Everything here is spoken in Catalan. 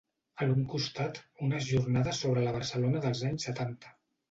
A l’un costat, unes jornades sobre la Barcelona dels anys setanta.